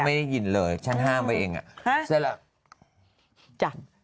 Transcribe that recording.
ก็ไม่ได้ยินเลยฉันห้ามไว้เองอะ